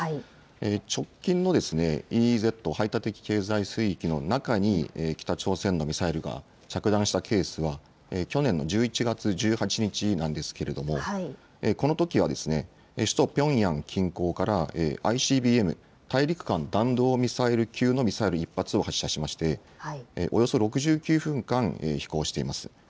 直近のＥＥＺ・排他的経済水域の中に北朝鮮のミサイルが着弾したケースは去年の１１月１８日なんですけれども、このときは首都ピョンヤン近郊からＩＣＢＭ・大陸間弾道ミサイル級のミサイル１発を発射しましておよそ６９分間飛行しています。